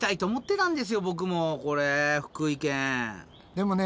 でもね